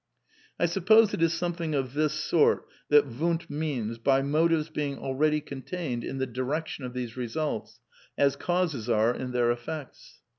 I suppose it is something of this sort that Wundt means by motives being " already contained " in the " direction " of these results, as causes are in their effects.